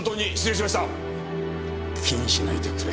気にしないでくれ。